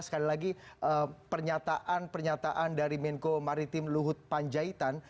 sekali lagi pernyataan pernyataan dari menko maritim luhut panjaitan